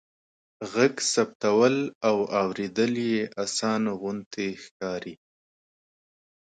ږغ ثبتول او اوریدل يې آسانه غوندې ښکاري.